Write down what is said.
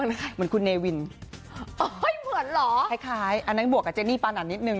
เหมือนใครเหมือนคุณเนวินโอ้ยเหมือนเหรอคล้ายอันนั้นบวกกับเจนี่ปานันนิดหนึ่ง